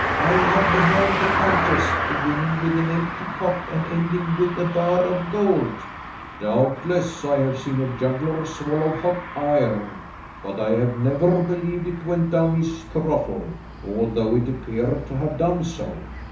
I have beheld the contest, beginning with an empty pot and ending with a bar of gold." "Doubtless. I have seen a juggler swallow hot iron, but I have never believed it went down his throttle, although it appeared to have done so.